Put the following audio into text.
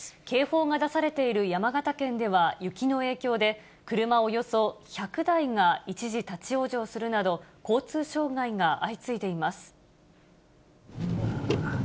警報が出されている山形県では雪の影響で、車およそ１００台が一時立往生するなど、交通障害が相次いでいます。